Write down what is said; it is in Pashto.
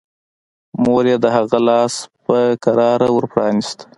مور يې د هغه لاس په کراره ور پرانيست.